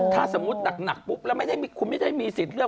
ถ้าสมมุติหนักปุ๊บแล้วคุณไม่ได้มีสิทธิ์เลือก